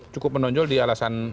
cukup menonjol di alasan